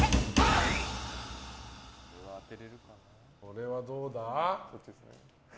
これはどうだ。